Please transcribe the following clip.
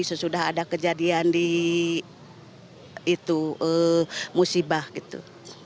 sesudah ada kejadian di itu musibah gitu